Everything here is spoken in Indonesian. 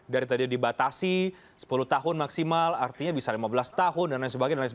dari tadi dibatasi sepuluh tahun maksimal artinya bisa lima belas tahun dan lain sebagainya